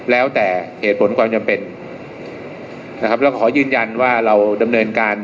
แล้วแต่เหตุผลความจำเป็นนะครับแล้วขอยืนยันว่าเราดำเนินการ